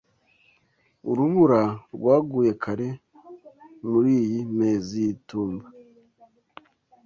Urubura rwaguye kare muriyi mezi y'itumba.